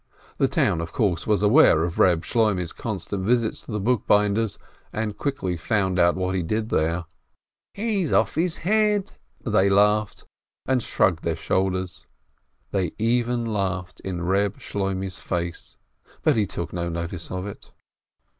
The town, of course, was aware of Keb Shloimeh's constant visits to the bookbinder's, and quickly found out what he did {here. "He's just off his head !" they laughed, and shrugged their shoulders. They even laughed in Eeb Shloimeh's face, but he took no notice of it.